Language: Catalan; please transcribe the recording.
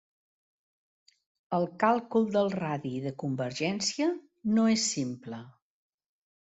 El càlcul del radi de convergència no és simple.